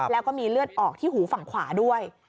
แล้วก็มีเลือดออกที่หูฝั่งขวาด้วย